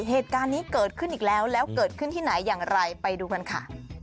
เหตุการณ์นี้เกิดขึ้นอีกแล้วแล้วเกิดขึ้นที่ไหนอย่างไรไปดูกันค่ะ